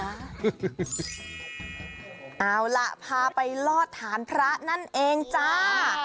เอาล่ะพาไปลอดฐานพระนั่นเองจ้า